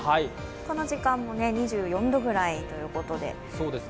この時間も２４度ぐらいということで。